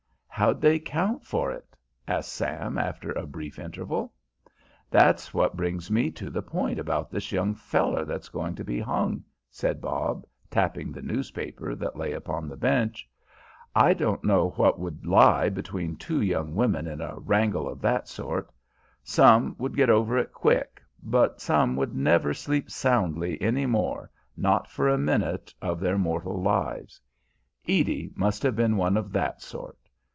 "How'd they account for it?" asked Sam, after a brief interval. "That's what brings me to the point about this young feller that's going to be hung," said Bob, tapping the newspaper that lay upon the bench. "I don't know what would lie between two young women in a wrangle of that sort; some would get over it quick, but some would never sleep soundly any more not for a minute of their mortal lives. Edie must have been one of that sort.